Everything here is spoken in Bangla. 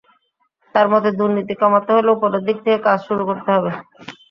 তাঁর মতে, দুর্নীতি কমাতে হলে ওপরের দিক থেকে কাজ শুরু করতে হবে।